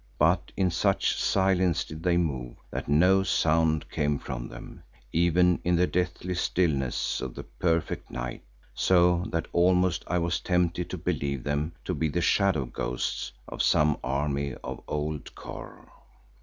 But in such silence did they move that no sound came from them even in the deathly stillness of the perfect night, so that almost I was tempted to believe them to be the shadow ghosts of some army of old Kôr.